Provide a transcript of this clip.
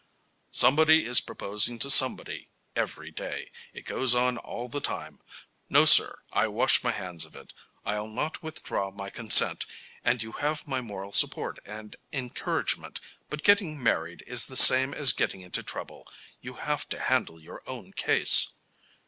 "Somebody is proposing to somebody every day. It goes on all the time. No, sir; I wash my hands of it. I'll not withdraw my consent, and you have my moral support and encouragement, but getting married is the same as getting into trouble you have to handle your own case."